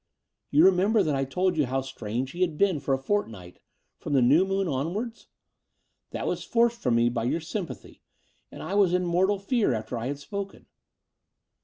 You remember that I told you how strange he had been for a fortnight — ^from the new moon onwards? That was forced from me by your sympathy: and I was in mortal fear after I had spoken.